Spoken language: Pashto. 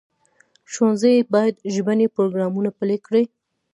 ښوونځي باید ژبني پروګرامونه پلي کړي.